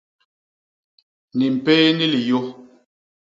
Ni mpéé ni liyô.